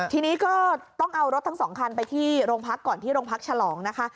ทีนี้ก็ต้องเอารถทั้งสองคันไปที่โรงพักก่อนที่โรงพักฉลองนะคะ